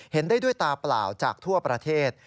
เห็นได้ด้วยตาเปล่าจากทั่วประเทศ